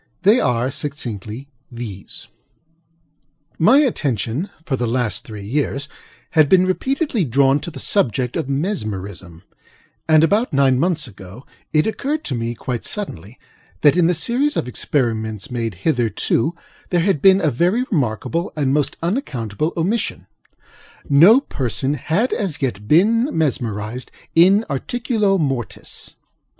They are, succinctly, these: My attention, for the last three years, had been repeatedly drawn to the subject of Mesmerism; and, about nine months ago it occurred to me, quite suddenly, that in the series of experiments made hitherto, there had been a very remarkable and most unaccountable omission:ŌĆöno person had as yet been mesmerized in articulo mortis.